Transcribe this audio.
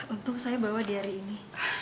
untung saya bawa di hari ini